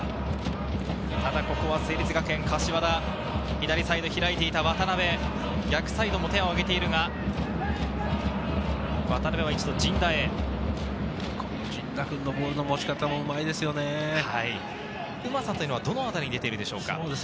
ただここは成立学園・柏田、左サイド、開いていた渡辺、逆サイドも手を上げているが、陣田君のボールの持ち方もうまさはどのあたりに出ていますか？